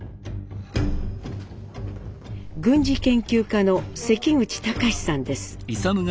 軍事研究家の関口高史さんです。